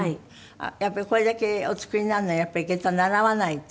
やっぱりこれだけお作りになるのはやっぱり下駄習わないと。